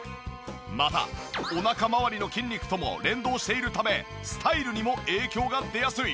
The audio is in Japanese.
またおなかまわりの筋肉とも連動しているためスタイルにも影響が出やすい。